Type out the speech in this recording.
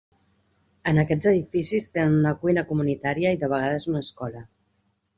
En aquests edificis tenen una cuina comunitària i de vegades una escola.